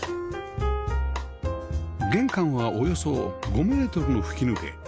玄関はおよそ５メートルの吹き抜け